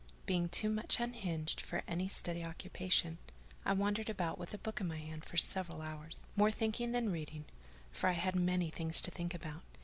Being too much unhinged for any steady occupation, I wandered about with a book in my hand for several hours, more thinking than reading, for I had many things to think about.